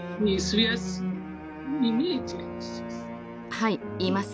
はいいます。